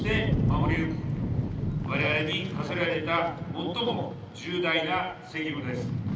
われわれに課せられた最も重大な責務です。